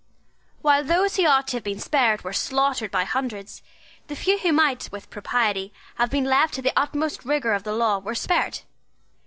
While those who ought to have been spared were slaughtered by hundreds, the few who might with propriety have been left to the utmost rigour of the law were spared.